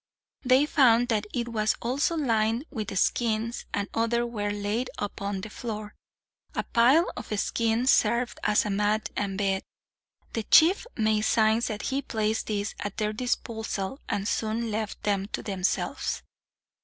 They found that it was also lined with skins, and others were laid upon the floor. A pile of skin served as a mat and bed. The chief made signs that he placed this at their disposal, and soon left them to themselves.